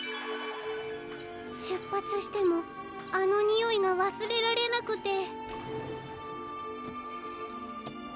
しゅっぱつしてもあのにおいがわすれられなくて。